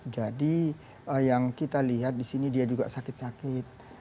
jadi yang kita lihat di sini dia juga sakit sakit